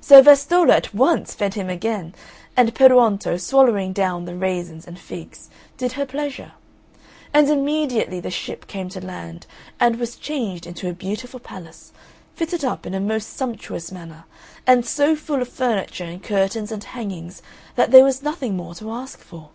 So Vastolla, at once, fed him again, and Peruonto, swallowing down the raisins and figs, did her pleasure; and immediately the ship came to land and was changed into a beautiful palace, fitted up in a most sumptuous manner, and so full of furniture and curtains and hangings that there was nothing more to ask for.